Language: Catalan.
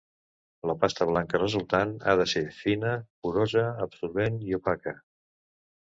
La pasta blanca resultant ha de ser fina, porosa, absorbent i opaca.